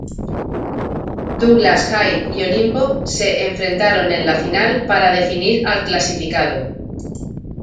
Douglas Haig y Olimpo se enfrentaron en la final para definir al clasificado.